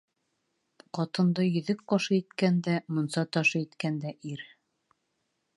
Ҡатынды йөҙөк ҡашы иткән дә, мунса ташы иткән дә ир.